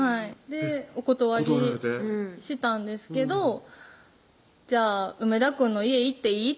お断りしたんですけど「じゃあ梅田くんの家行っていい？」